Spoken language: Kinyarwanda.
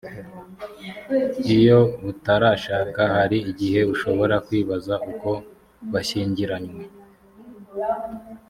iyo utarashaka hari igihe ushobora kwibaza uko bashyingiranywe